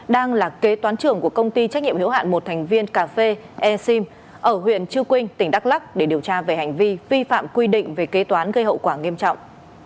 đang là kế toán trưởng của công ty trách nhiệm hiểu hạn một thành viên cà phê e sim ở huyện chư quynh tỉnh đắk lắc để điều tra về hành vi vi phạm quy định về kế toán gây hậu quả nghiêm trọng